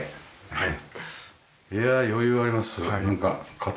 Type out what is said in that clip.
はい。